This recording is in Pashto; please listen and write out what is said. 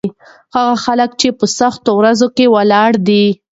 هغه خلک چې په سختو ورځو کې ولاړ دي.